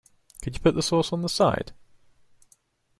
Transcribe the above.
Could you put the sauce on the side?